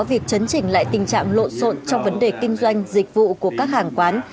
việc chấn chỉnh lại tình trạng lộn xộn trong vấn đề kinh doanh dịch vụ của các hàng quán